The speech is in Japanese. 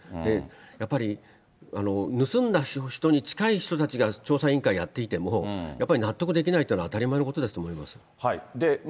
やっぱり盗んだ人に近い人たちが調査委員会やっていても、やっぱり納得できないというのは当たり前のことだと思います。